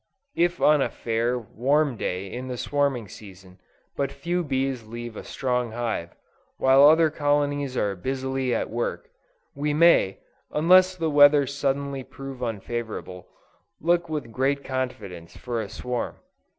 If on a fair, warm day in the swarming season, but few bees leave a strong hive, while other colonies are busily at work, we may, unless the weather suddenly prove unfavorable, look with great confidence for a swarm.